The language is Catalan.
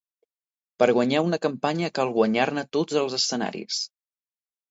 Per guanyar una campanya cal guanyar-ne tots els escenaris.